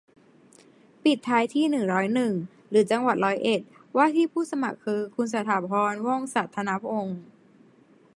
ปิดท้ายที่ หนึ่งร้อยหนึ่ง หรือ จังหวัดร้อยเอ็ด ว่าที่ผู้สมัครคือ คุณสถาพร ว่องสัธนพงษ์